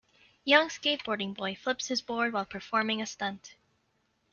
Young skateboarding boy flips his board while performing a stunt.